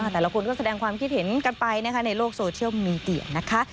แต่ละคนก็แสดงความคิดเห็นกันไปนะคะในโลกโซเชียลมีเดียนะคะ